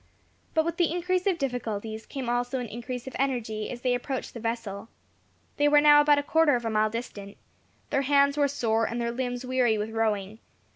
But with the increase of difficulties came also an increase of energy, as they approached the vessel. They were now about a quarter of a mile distant. Their hands were sore, and their limbs weary with rowing.